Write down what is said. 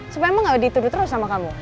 supaya emang gak dituduh terus sama kamu